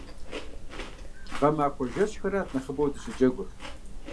Гъэмахуэ жэщхэрат нэхъыбэу дыщыджэгур.